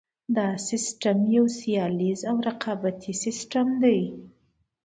دا سیستم یو سیالیز او رقابتي سیستم دی.